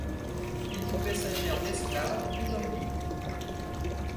Il pouvait s'agir d'esclaves ou d'hommes libres.